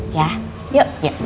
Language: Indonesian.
ya yuk yuk